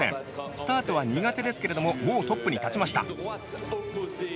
スタートは苦手ですけれどももうトップに立ちました。